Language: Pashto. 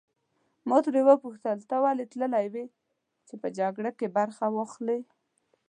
ما ترې وپوښتل ته ولې تللی وې چې په جګړه کې برخه واخلې.